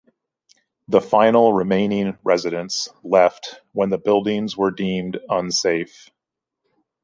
The final remaining residents left when the buildings were deemed unsafe.